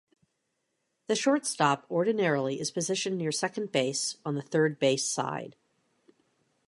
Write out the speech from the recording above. The shortstop ordinarily is positioned near second base on the third-base side.